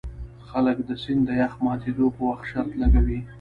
خلک د سیند د یخ ماتیدو په وخت شرط لګوي